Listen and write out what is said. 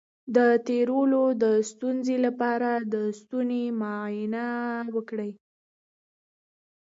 د تیرولو د ستونزې لپاره د ستوني معاینه وکړئ